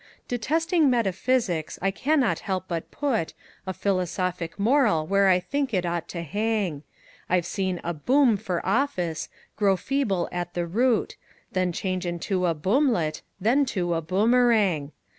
Detesting metaphysics, I can not help but put A philosophic moral where I think it ought to hang; I've seen a "boom" for office Grow feeble at the root, Then change into a boomlet then to a boomerang.